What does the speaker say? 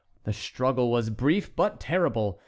The struggle was brief but terrible.